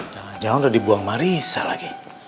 jangan jangan udah dibuang marissa lagi